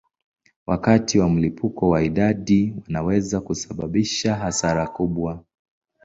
Wakati wa mlipuko wa idadi wanaweza kusababisha hasara kubwa.